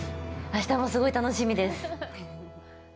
あしたもすごい楽しみです。